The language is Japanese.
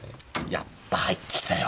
やっぱ入ってきたよ。